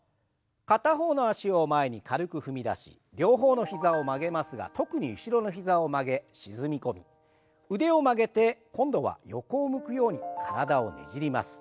片方の脚を前に軽く踏み出し両方の膝を曲げますが特に後ろの膝を曲げ沈み込み腕を曲げて今度は横を向くように体をねじります。